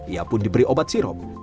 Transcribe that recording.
ia pun diberi obat sirup